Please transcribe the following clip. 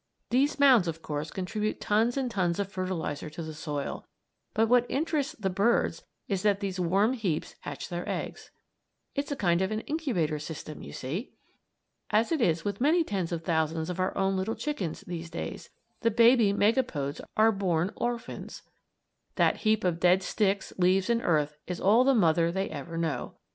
These mounds, of course, contribute tons and tons of fertilizer to the soil, but what interests the birds is that these warm heaps hatch their eggs. It's a kind of an incubator system, you see. As it is with many tens of thousands of our own little chickens, these days, the baby megapodes are born orphans. That heap of dead sticks, leaves, and earth is all the mother they ever know.